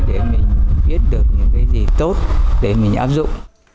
để mình biết được những cái gì tốt để mình áp dụng